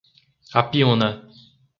Apiúna